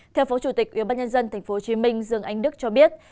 theo phó chủ tịch ubnd tp hcm dương anh đức cho biết